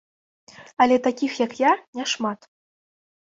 Але такіх, як я не шмат.